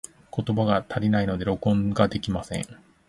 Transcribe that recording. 言葉が足りないので、録音ができません。